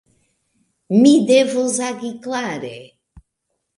Mi devus agi klare.